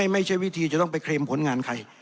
ไม่ใช่วิธีจะต้องไปเคลมผลงานใคร